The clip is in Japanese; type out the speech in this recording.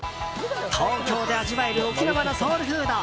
東京で味わえる沖縄のソウルフード。